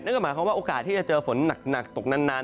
ก็หมายความว่าโอกาสที่จะเจอฝนหนักตกนาน